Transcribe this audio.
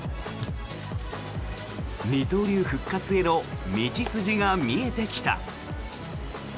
二刀流復活への道筋が見えてきた。